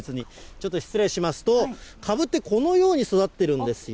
ちょっと失礼しますと、かぶって、このように育ってるんですよ。